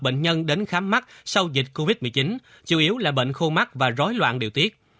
bệnh nhân đến khám mắt sau dịch covid một mươi chín chủ yếu là bệnh khô mắt và rối loạn điều tiết